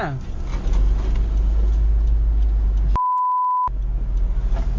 แป๊บ